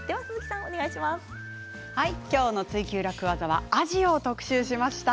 今日の「ツイＱ楽ワザ」はアジを特集しました。